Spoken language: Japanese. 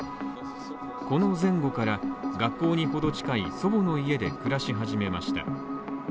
この前後から学校にほど近い祖母の家で暮らし始めました。